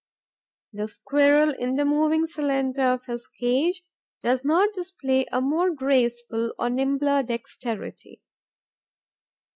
The Squirrel, in the moving cylinder of his cage, does not display a more graceful or nimbler dexterity.